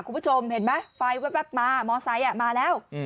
คุณผู้ชมเห็นไหมไฟแว๊บมามอไซค์มาแล้ว